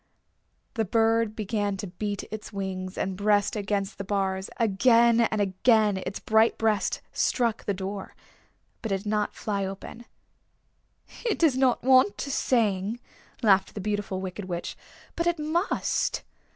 The bird began to beat its wings and breast against the bars. Again and again its bright breast struck the door. But it did not fly open. "It does not want to sing," laughed the Beautiful Wicked Witch; "but it must.